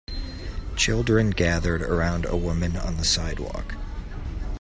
Children gathered around a woman on the sidewalk.